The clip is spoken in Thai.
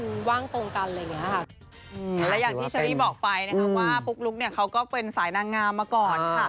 อย่างที่เฉลี่ยบอกไปนะครับว่าปุ๊ปลุ๊กเค้าก็เป็นสายนางงามมาก่อนค่ะ